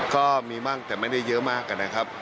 ก็มีบ้างแต่ไม่ได้เยอะมากนะครับ